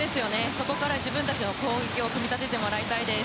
そこから自分たちの攻撃を組み立ててほしいです。